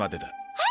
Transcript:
はい！